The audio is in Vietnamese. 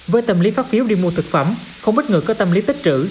với tâm lý phát phiếu đi mua thực phẩm không ít người có tâm lý tích trữ